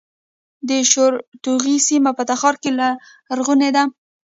د شورتوغۍ سیمه په تخار کې لرغونې ده